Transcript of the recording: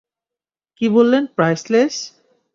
কি বললেন প্রাইছলেস?